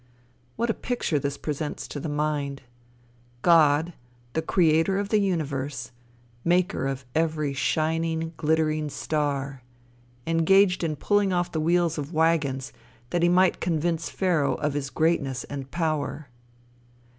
What a picture this presents to the mind! God the creator of the universe, maker of every shining, glittering star, engaged in pulling off the wheels of wagons, that he might convince Pharaoh of his greatness and power!